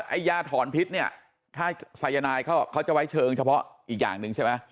ไอ้ยาถอนพิษเนี่ยถ้าสายนายเขาจะไว้เชิงเฉพาะอีกอย่างหนึ่งใช่ไหม